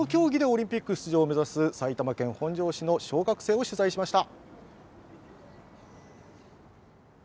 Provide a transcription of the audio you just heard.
この競技でオリンピック出場を目指す埼玉県本庄市の小学生を取材しました。